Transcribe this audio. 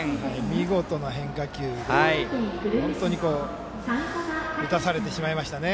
見事な変化球で本当に打たされてしまいましたね。